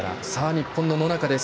日本の野中です。